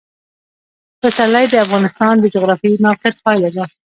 پسرلی د افغانستان د جغرافیایي موقیعت پایله ده.